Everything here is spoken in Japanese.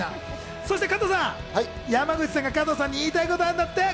そして加藤さん、山口さんが加藤さんに言いたいことがあるんだっ